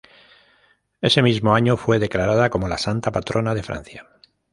Ese mismo año fue declarada como la santa patrona de Francia.